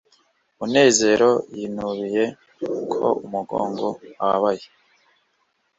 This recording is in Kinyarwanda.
munezero yinubiye ko umugongo wababaye